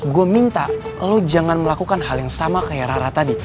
gue minta lo jangan melakukan hal yang sama kayak rara tadi